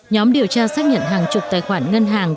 nhóm điều tra xác nhận hàng chục tài khoản ngân hàng